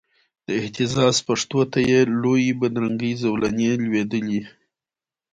د اهتزاز پښو ته یې لویي بدرنګې زولنې لویدلې